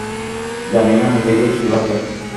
জানি না নিজেকে কী ভাবে।